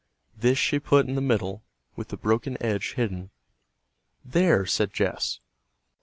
This she put in the middle, with the broken edge hidden. "There!" said Jess.